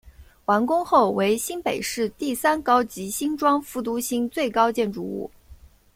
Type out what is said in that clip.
完工后为新北市第三高及新庄副都心最高建筑物。